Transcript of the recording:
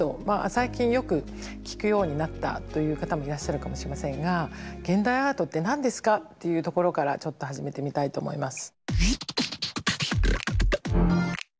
最近よく聞くようになったという方もいらっしゃるかもしれませんが「現代アートって何ですか」っていうところからちょっと始めてみたいと思います。